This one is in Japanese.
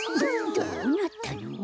どうなったの？